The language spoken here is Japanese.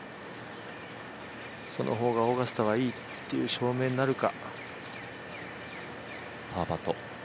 その方がオーガスタはいいという証明になるか？